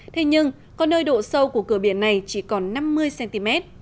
thế nhưng có nơi độ sâu của cửa biển này chỉ còn năm mươi cm